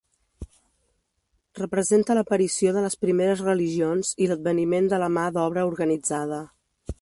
Representa l'aparició de les primeres religions i l'adveniment de la mà d'obra organitzada.